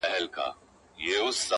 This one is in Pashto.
ډک جامونه صراحي ده که صهبا دی,